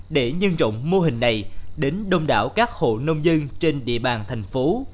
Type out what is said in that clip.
để nhân rộng mô hình này đến đông đảo các hộ nông dân trên địa bàn thành phố